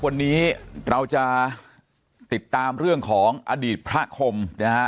วันนี้เราจะติดตามเรื่องของอดีตพระคมนะฮะ